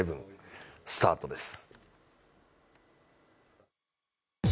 スタートです。